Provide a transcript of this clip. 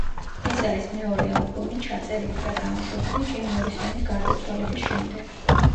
ეს არის მეორე ალბომი, ჩაწერილი და გამოშვებული ჯიმ მორისონის გარდაცვალების შემდეგ.